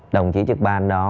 đồng chí trực ban đó